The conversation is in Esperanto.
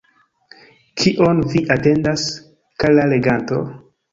Kion Vi atendas, kara leganto?